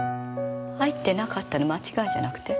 「入ってなかった」の間違いじゃなくて？